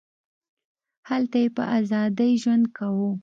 هلته یې په ازادۍ ژوند کاوه.